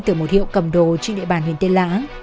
từ một hiệu cầm đồ trên địa bàn huyện tây nã